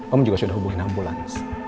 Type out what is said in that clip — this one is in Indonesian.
om juga sudah hubungi enam bulan